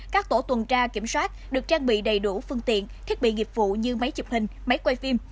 các tổ tuần tra kiểm soát được trang bị đầy đủ phương tiện thiết bị nghiệp vụ như máy chụp hình máy quay phim